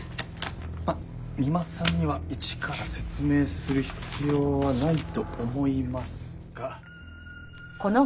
まあ三馬さんには一から説明する必要はないと思いますが。